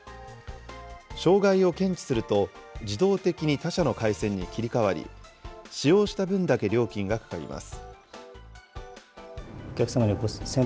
障害を検知すると、自動的に他社の回線に切り替わり、使用した分だけ料金がかかります。